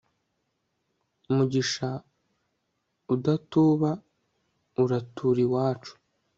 mugisha udatuba, urature iwacu